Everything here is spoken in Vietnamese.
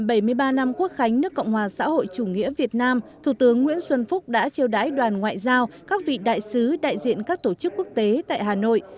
nhân kỷ bảy mươi ba năm quốc khánh nước cộng hòa xã hội chủ nghĩa việt nam thủ tướng nguyễn xuân phúc đã chiêu đái đoàn ngoại giao các vị đại sứ đại diện các tổ chức quốc tế tại hà nội